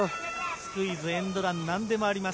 スクイズ、エンドランなんでもあります。